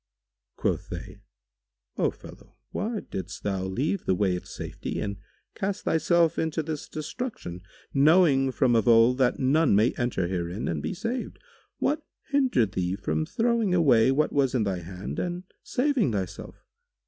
Quoth they, "O fellow, why didst thou leave the way of safety and cast thyself into this destruction, knowing from of old that none may enter herein and be saved? What hindered thee from throwing away what was in thy hand and saving thyself?